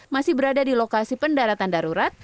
masih berada di lokasi pendaratan darurat